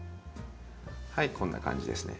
はいこんな感じですね。